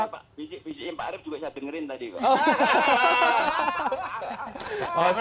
visi visi pak arief juga saya dengerin tadi pak